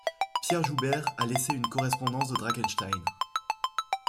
Pierre Joubert a laissé une correspondance de Drakenstein.